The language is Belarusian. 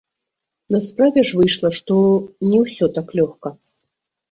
На справе ж выйшла, што не ўсё так лёгка.